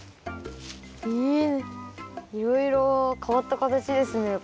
えっいろいろ変わった形ですね